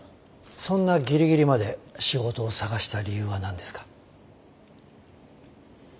そんなギリギリまで仕事を探した理由は何ですか？